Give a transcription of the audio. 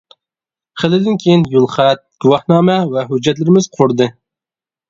خېلىدىن كېيىن يول خەت، گۇۋاھنامە ۋە ھۆججەتلىرىمىز قۇرۇدى.